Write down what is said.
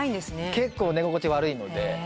結構寝心地悪いので。